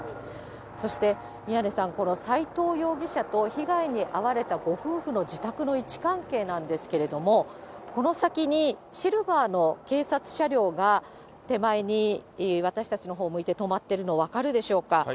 そして、宮根さん、この斎藤容疑者と被害に遭われたご夫婦の自宅の位置関係なんですけれども、この先にシルバーの警察車両が、手前に私たちのほうを向いて止まっているの、分かるでしょうか。